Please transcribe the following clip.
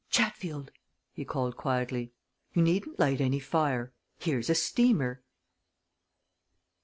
"Chatfield!" he called quietly. "You needn't light any fire. Here's a steamer!"